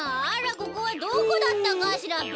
ここはどこだったかしらべ。